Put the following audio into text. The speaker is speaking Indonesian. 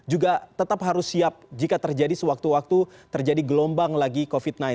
juga tetap harus siap jika terjadi sewaktu waktu terjadi gelombang lagi covid sembilan belas